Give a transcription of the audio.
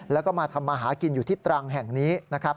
แล้วก็มาทำมาหากินอยู่ที่ตรังแห่งนี้นะครับ